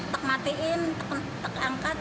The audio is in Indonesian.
tek matiin tek angkat